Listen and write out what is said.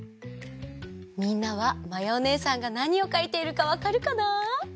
みんなはまやおねえさんがなにをかいているかわかるかな？